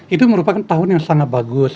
itu merupakan tahun yang sangat bagus